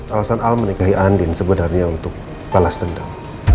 alasan al menikahi andin sebenarnya untuk balas dendam